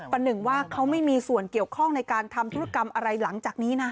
ประหนึ่งว่าเขาไม่มีส่วนเกี่ยวข้องในการทำธุรกรรมอะไรหลังจากนี้นะ